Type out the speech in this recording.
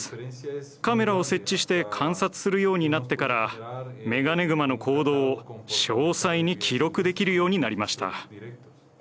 カメラを設置して観察するようになってからメガネグマの行動を詳細に記録できるようになりました。